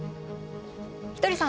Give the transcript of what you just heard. ひとりさん